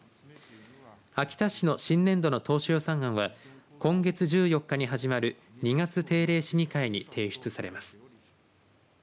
秋田市の新年度の当初予算案は今月１４日に始まる２月定例市議会に提出されます。